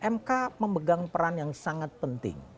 mk memegang peran yang sangat penting